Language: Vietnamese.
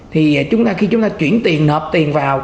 khi chúng ta chuyển tiền nộp tiền vào